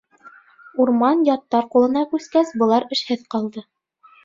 Урман яттар ҡулына күскәс, былар эшһеҙ ҡалды.